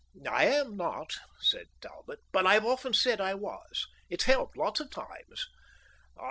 "I am not," said Talbot, "but I've often said I was. It's helped lots of times.